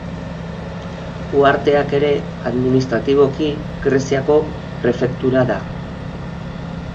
Uharteak ere, administratiboki, Greziako prefektura da.